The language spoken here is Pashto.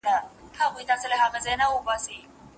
ورځم د خپل تور شوي زړه په تماشې وځم